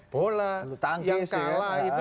bola yang kalah itu